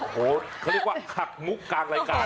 โอ้โหเขาเรียกว่าหักมุกกลางรายการ